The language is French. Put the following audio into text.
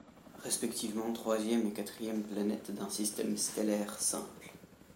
Respectivement troisième et quatrième planètes d'un système stellaire simple.